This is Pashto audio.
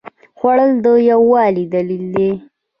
خوړل د یووالي دلیل دی